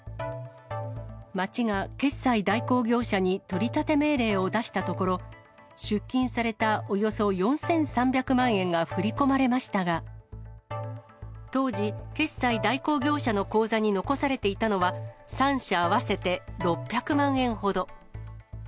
町が決済代行業者に取り立て命令を出したところ、出金されたおよそ４３００万円が振り込まれましたが、当時、決済代行業者の口座に残されていたのは、３社合わせて６００万円ほど。